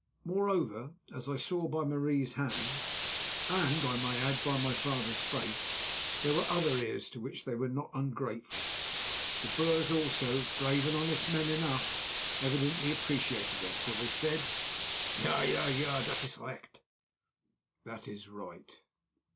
Moreover, as I saw by Marie's and, I may add, by my father's face, there were other ears to which they were not ungrateful. The Boers also, brave and honest men enough, evidently appreciated them, for they said: "Ja! ja! das ist recht" (That is right).